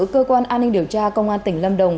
cơ quan an ninh điều tra công an tỉnh lâm đồng